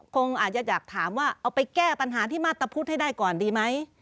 คงอาจจะอยากถามว่าเอาไปแก้ปัญหาที่มาตรพุทธให้ได้ก่อนดีไหม